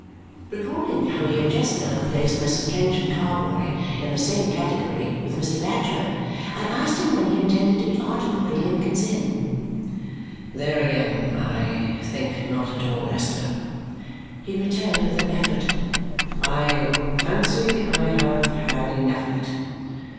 Recalling how he had just now placed Messrs. Kenge and Carboy in the same category with Mr. Badger, I asked him when he intended to be articled in Lincoln's Inn. "There again! I think not at all, Esther," he returned with an effort. "I fancy I have had enough of it.